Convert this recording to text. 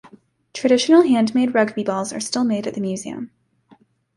Traditional handmade rugby balls are still made at the museum.